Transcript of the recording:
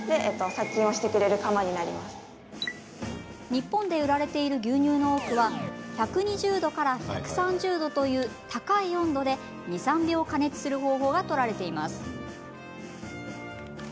日本で売られている牛乳の多くは１２０度から１３０度という高い温度で２、３秒加熱する方法が取られています。